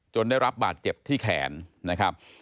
ได้รับบาดเจ็บที่แขนนะครับ